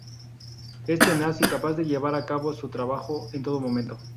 Es tenaz y capaz de llevar a cabo su trabajo en todo momento.